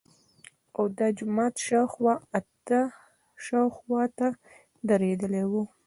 او د جومات شاوخواته درېدلي وو.